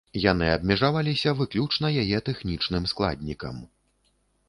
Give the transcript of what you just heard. Яны абмежаваліся выключна яе тэхнічным складнікам.